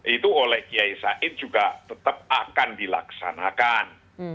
itu oleh kiai said juga tetap akan dilaksanakan